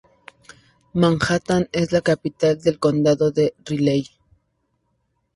Manhattan es la capital de condado de Riley.